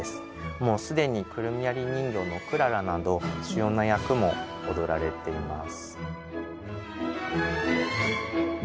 もう既に「くるみ割り人形」のクララなど主要な役も踊られています。